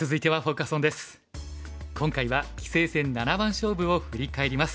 今回は棋聖戦七番勝負を振り返ります。